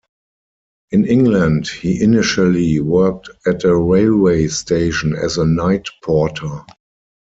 In England, he initially worked at a railway station as a night porter.